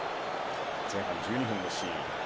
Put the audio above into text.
前半１２分のシーン。